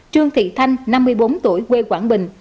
trương thị thanh năm mươi bốn tuổi quê quảng bình